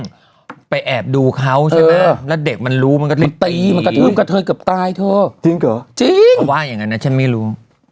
กับใต้เธอจริงเหรอจริงเพราะว่าอย่างงั้นน่ะฉันไม่รู้